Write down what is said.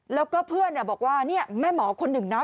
แล้วก็เพื่อนบอกว่าเนี่ยแม่หมอคนหนึ่งนะ